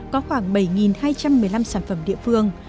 có khoảng bảy hai trăm một mươi năm sản phẩm địa phương